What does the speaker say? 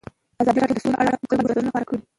ازادي راډیو د سوله په اړه د خلکو نظرونه خپاره کړي.